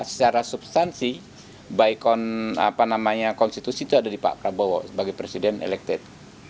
secara substansi konstitusi itu ada di pak prabowo sebagai presiden elected